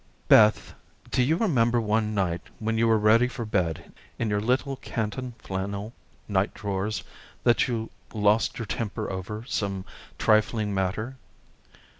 "Beth, do you remember one night when you were ready for bed in your little canton flannel night drawers, that you lost your temper over some trifling matter?